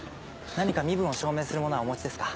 何か身分を証明するものはお持ちですか？